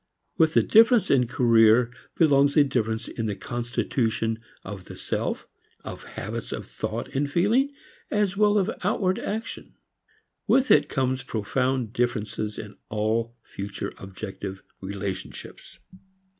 With the difference in career belongs a difference in the constitution of the self, of habits of thought and feeling as well as of outward action. With it comes profound differences in all future objective relationships.